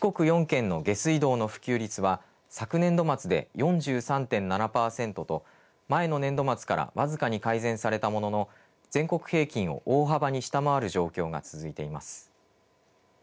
４県の下水道の普及率は昨年度末で４３．７％と前の年度末から僅かに改善されたものの全国平均を大幅に下回る状況が続いています。